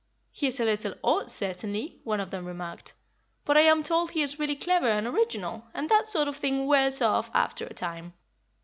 "He is a little odd, certainly," one of them remarked, "but I am told he is really clever and original, and that sort of thing wears off after a time.